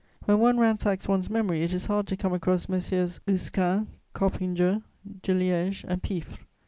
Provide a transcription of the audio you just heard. When one ransacks one's memory, it is hard to come across Messieurs Usquin, Coppinger, Deliège and Piffre.